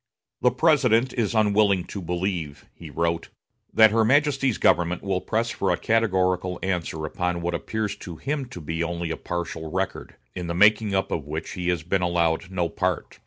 "The President is unwilling to believe," he wrote, "that her Majesty's government will press for a categorical answer upon what appears to him to be only a partial record, in the making up of which he has been allowed no part.